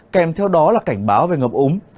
kèm theo đó là cảnh báo về ngập úng